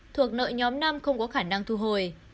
thuộc nợ nhóm năm không có khả năng thu hồi